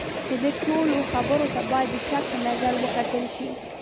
د ده ټولو خبرو ته باید د شک په نظر وکتل شي.